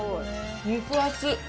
肉厚。